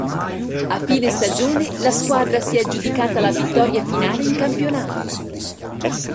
A fine stagione, la squadra si è aggiudicata la vittoria finale in campionato.